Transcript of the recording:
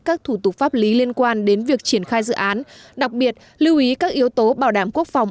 các thủ tục pháp lý liên quan đến việc triển khai dự án đặc biệt lưu ý các yếu tố bảo đảm quốc phòng